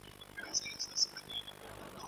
هغه څه چي راټول سوي وو په اوبو لاهو سول.